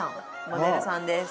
モデルさんです。